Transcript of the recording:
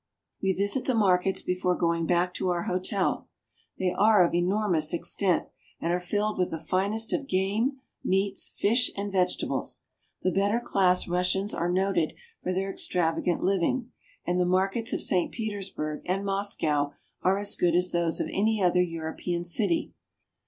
We visit the markets before going back to our hotel. They are of enormous extent, and are filled with the finest of game, meats, fish, and vegetables. The better class Russians are noted for their extravagant living, and the markets of St. Petersburg and Moscow are as good as those of any other European city.